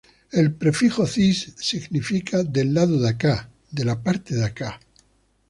El prefijo "cis-" significa: ‘del lado de acá’, ‘de la parte de acá’.